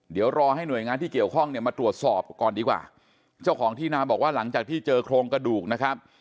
เดี๋ยวรอให้หน่วยงานที่เกี่ยวข้องเนี่ยมาตรวจสอบก่อนดีกว่าเจ้าของที่นาบอกว่าหลังจากที่เจอโครงกระดูกนะครับ